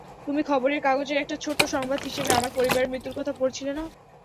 তুমি খবরের কাগজের একটা ছোট্ট সংবাদ হিসেবে আমার পরিবারের মৃত্যুর কথা পড়েছিলে না?